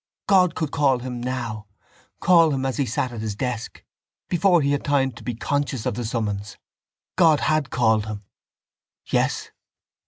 God could call him now, call him as he sat at his desk, before he had time to be conscious of the summons. God had called him. Yes?